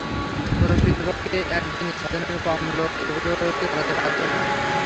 প্রকৃতপক্ষে একদিনে ছয়জনের কম লোক এগুলোকে সরাতে পারতো না।